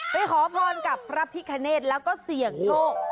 ขอพรกับพระพิคเนธแล้วก็เสี่ยงโชค